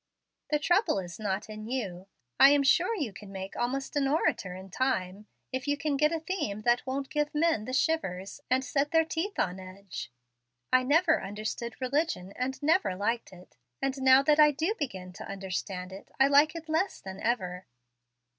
The trouble is not in you. I am sure you can make almost an orator in time, if you can get a theme that won't give men the shivers, and set their teeth on edge. I never understood religion and never liked it; and now that I do begin to understand it, I like it less than ever."